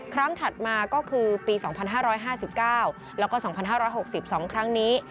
ถัดมาก็คือปี๒๕๕๙แล้วก็๒๕๖๒ครั้งนี้